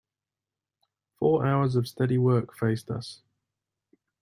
Four hours of steady work faced us.